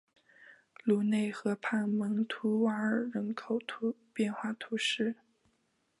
卢瓦河畔蒙图瓦尔人口变化图示